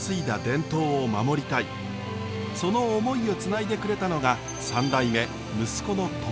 その思いをつないでくれたのが３代目息子の知和さんです。